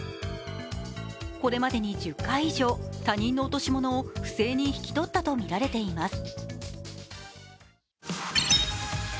これまでに１０回以上、他人の落とし物を不正に引き取ったとみられています。